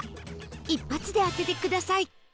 一発で当ててください